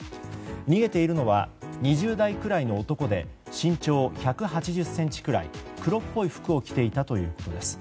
逃げているのは２０代くらいの男で身長１８０ｃｍくらい黒っぽい服を着ていたということです。